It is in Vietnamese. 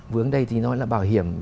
vướng đây thì nói là bảo hiểm